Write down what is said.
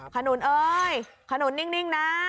ขนุนเอ้ยขนุนนิ่งนะ